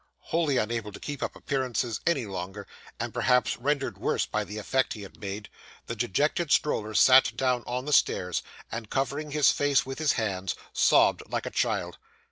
Wholly unable to keep up appearances any longer, and perhaps rendered worse by the effort he had made, the dejected stroller sat down on the stairs, and, covering his face with his hands, sobbed like a child.